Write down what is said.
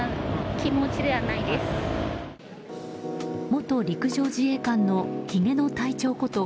元陸上自衛官のヒゲの隊長こと